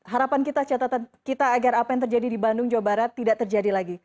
harapan kita catatan kita agar apa yang terjadi di bandung jawa barat tidak terjadi lagi